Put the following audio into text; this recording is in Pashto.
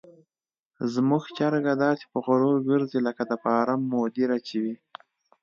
زموږ چرګه داسې په غرور ګرځي لکه د فارم مدیره چې وي.